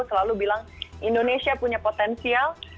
selalu bilang indonesia punya potensial